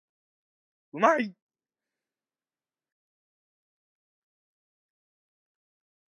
"Not to be confused with the Hinatuan Enchanted River"